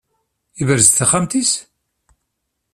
Yebrez-d taxxamt-is?